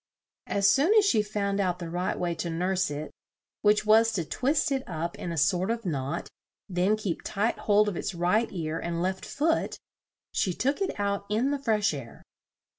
As soon as she found out the right way to nurse it, (which was to twist it up in a sort of knot, then keep tight hold of its right ear and left foot), she took it out in the fresh air.